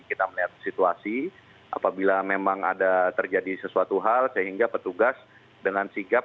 kita melihat situasi apabila memang ada terjadi sesuatu hal sehingga petugas dengan sigap